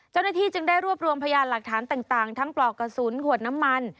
เจ้าหน้าที่จึงได้รวบรวมพยานหลักฐานต่างทั้งปลอกกระสุนขวดน้ำมัน